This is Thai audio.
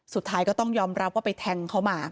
สุดท้ายก็ต้องยอมรับว่าไปแทงเขามา